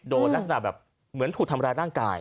ลักษณะแบบเหมือนถูกทำร้ายร่างกาย